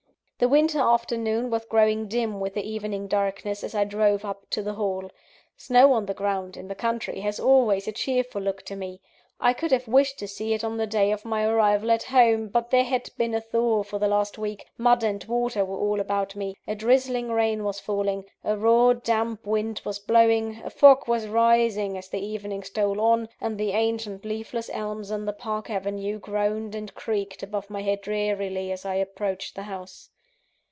The winter afternoon was growing dim with the evening darkness, as I drove up to the Hall. Snow on the ground, in the country, has always a cheerful look to me. I could have wished to see it on the day of my arrival at home; but there had been a thaw for the last week mud and water were all about me a drizzling rain was falling a raw, damp wind was blowing a fog was rising, as the evening stole on and the ancient leafless elms in the park avenue groaned and creaked above my head drearily, as I approached the house.